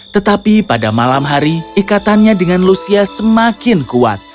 tetapi pada malam hari ikatannya dengan lucia semakin kuat